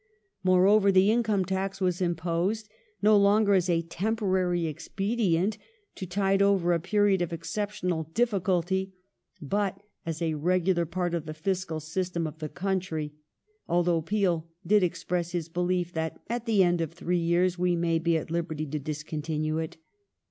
^ Moreover, the income tax was imposed, no longer as a temporary expedient, to tide over a period of exceptional difficulty, but as a regular part of the fiscal system of the country, although Peel did express his belief that " at the end of three years we may be at liberty to discontinue it